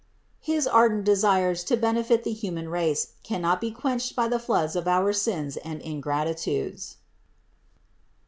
His ardent desires to benefit the human race cannot be quenched by the floods of our sins and ingratitudes.